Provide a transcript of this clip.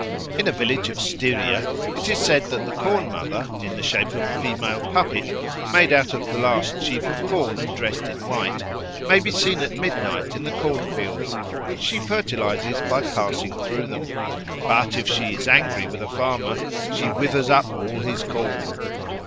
In a village of Styria it is said that the Corn mother, in the shape of a female puppet made out of the last sheaf of corn and dressed in white, may be seen at mid night in the corn fields, which she fertilises by passing through them; but if she is angry with a farmer, she withers up all his corn.